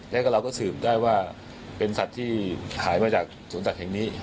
แล้วก็เราก็สืบได้ว่าเป็นสัตว์ที่ขายมาจากสวนสัตว์แห่งนี้